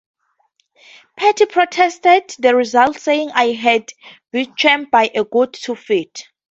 Petty protested the results, saying I had Beauchamp by a good two feet.